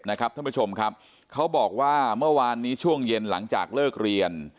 ท่านผู้ชมครับเขาบอกว่าเมื่อวานนี้ช่วงเย็นหลังจากเลิกเรียน